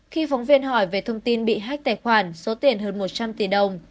khi phóng viên hỏi về thông tin bị hách tài khoản số tiền hơn một trăm linh tỷ đồng